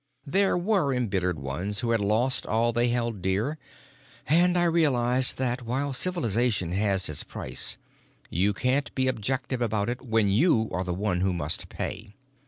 There were embittered ones, who had lost all they held dear, and I realized that, while civilization has its price, you can't be objective about it when you are the one who must pay.